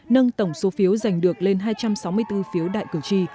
nâng tổng số phiếu giành được lên hai trăm sáu mươi bốn phiếu đại cử tri